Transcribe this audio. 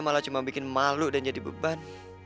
malah cuma bikin malu dan jadi beban